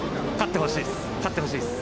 勝ってほしいっす！